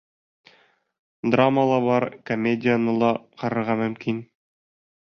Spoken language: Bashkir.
Драма ла бар, комедияны ла ҡарарға мөмкин.